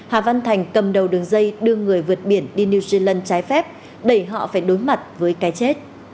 hà văn thành cầm đầu đường dây đưa người vượt biển đi new zealand trái phép đẩy họ phải đối mặt với cái chết